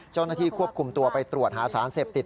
เจ้าหน้าที่ควบคุมตัวไปตรวจหาสารเสพติด